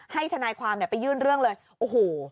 ทนายความไปยื่นเรื่องเลยโอ้โห